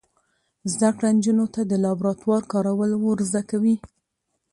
زده کړه نجونو ته د لابراتوار کارول ور زده کوي.